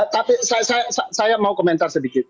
tapi saya mau komentar sedikit